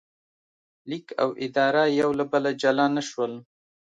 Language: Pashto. لیک او اداره یو له بله جلا نه شول.